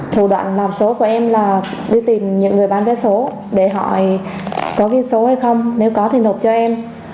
thủ đoạn làm số của em là đi tìm những người bán vé số để họ có ghi số hay không nếu có thì nộp cho em